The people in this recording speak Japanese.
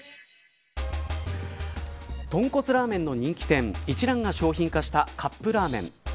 とんこつラーメンの人気店一蘭が商品化したカップラーメン。